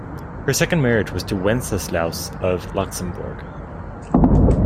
Her second marriage was to Wenceslaus of Luxemburg.